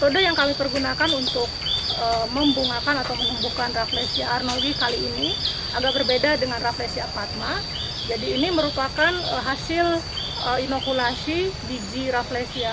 dikali ini agak berbeda dengan raflesia patma jadi ini merupakan hasil inokulasi biji raflesia